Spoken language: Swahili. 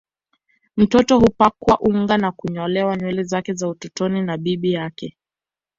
Mtoto hupakwa unga na kunyolewa nywele zake za utotoni na bibi yake